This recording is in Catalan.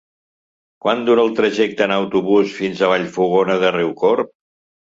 Quant dura el trajecte en autobús fins a Vallfogona de Riucorb?